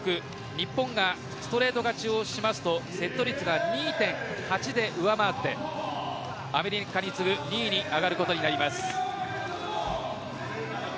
日本がストレート勝ちをしますとセット率が２．８で上回ってアメリカに次ぐ２位に上がることになります。